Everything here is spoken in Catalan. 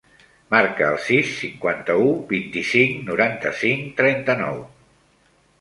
Marca el sis, cinquanta-u, vint-i-cinc, noranta-cinc, trenta-nou.